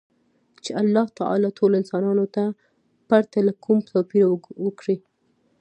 چـې اللـه تعـالا ټـولـو انسـانـانـو تـه ،پـرتـه لـه کـوم تـوپـيره ورکـړى.